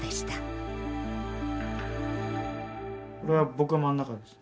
これは僕が真ん中です。